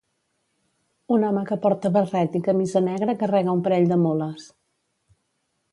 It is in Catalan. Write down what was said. Un home que porta barret i camisa negra carrega un parell de mules.